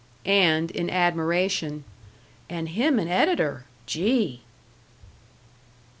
And," in admiration, "and him an editor! Gee!"